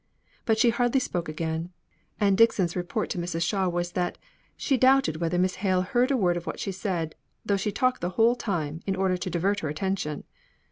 But she hardly spoke again; and Dixon's report to Mrs. Shaw was, that "she doubted whether Miss Hale heard a word of what she said, though she talked the whole time, in order to divert her intention."